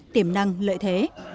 tiềm năng lợi thế